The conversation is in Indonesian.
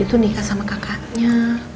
itu nikah sama kakaknya